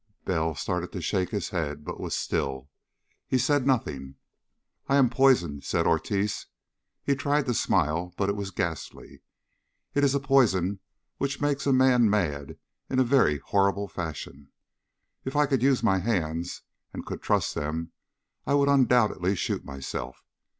Bell started to shake his head, but was still. He said nothing. "I am poisoned," said Ortiz. He tried to smile, but it was ghastly. "It is a poison which makes a man mad in a very horrible fashion. If I could use my hands and could trust them I would undoubtedly shoot myself.